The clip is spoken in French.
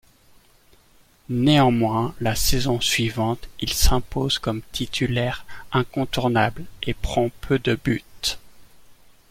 Néanmoins la saison suivante, il s’impose comme titulaire incontournable et prends peu de buts.